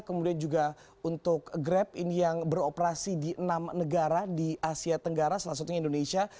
kemudian juga untuk grab ini yang beroperasi di enam negara di asia tenggara salah satunya indonesia